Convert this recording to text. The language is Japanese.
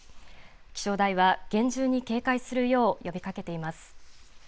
気象台は厳重に警戒するよう呼びかけています。